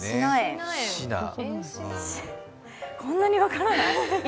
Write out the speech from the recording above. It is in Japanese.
こんなに分からない？